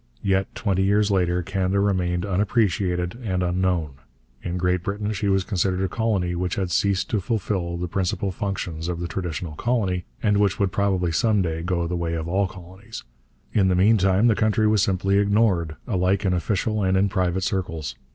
Yet, twenty years later, Canada remained unappreciated and unknown. In Great Britain she was considered a colony which had ceased to fulfil the principal functions of the traditional colony, and which would probably some day go the way of all colonies: in the meantime the country was simply ignored, alike in official and in private circles.